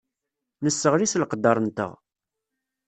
Nesseɣli s leqder-nteɣ.